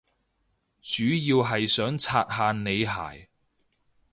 主要係想刷下你鞋